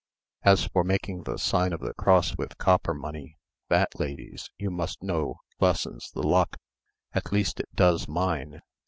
As for making the sign of the cross with copper money, that, ladies, you must know lessens the luck, at least it does mine.